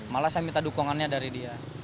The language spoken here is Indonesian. malah saya minta dukungannya dari dia